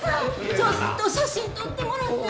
ちょっと写真撮ってもらっていい？